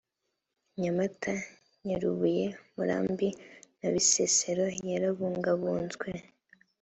nyamata, nyarubuye, murambi na bisesero yarabungabunzwe